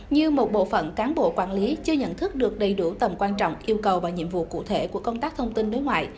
như một bộ phận cán bộ quản lý chưa nhận thức được đầy đủ tầm quan trọng yêu cầu và nhiệm vụ cụ thể của công tác thông tin đối ngoại